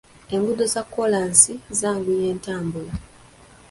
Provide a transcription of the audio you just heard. Enguudo za kkoolansi zanguya entambula.